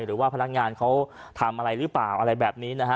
หรือว่าพนักงานเขาทำอะไรหรือเปล่าอะไรแบบนี้นะฮะ